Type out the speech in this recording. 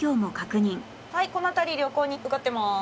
はいこの辺り良好に受かってます。